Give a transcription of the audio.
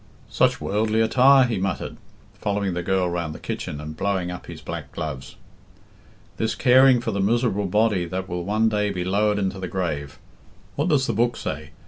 "Such worldly attire!" he muttered, following the girl round the kitchen and blowing up his black gloves. "This caring for the miserable body that will one day be lowered into the grave! What does the Book say?